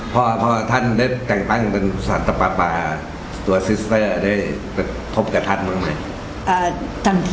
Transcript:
พ่อพระท่านได้แต่งตั้ง